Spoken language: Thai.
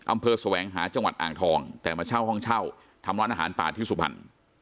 แสวงหาจังหวัดอ่างทองแต่มาเช่าห้องเช่าทำร้านอาหารป่าที่สุพรรณ